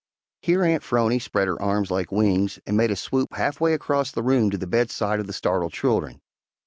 Here Aunt 'Phrony spread her arms like wings and made a swoop half way across the room to the bedside of the startled children.